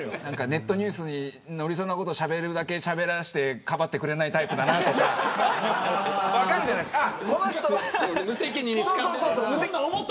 ネットニュースに載りそうなことしゃべるだけしゃべらせてかばってくれないタイプだなとか分かるじゃないですか。